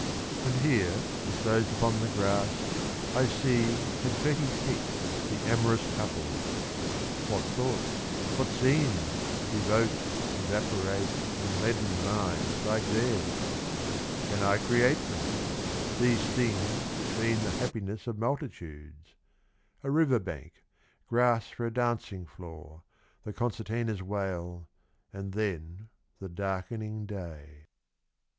And here disposed upon the grass, I see Confetti thick the amorous couples, — What thoughts, what scenes, evoke, evaporate In leaden minds like theirs ? Can I create them ? These things Which mean the happiness of multitudes ? A river bank, grass for a dancing floor, The concertina's wail, and then the darkening day.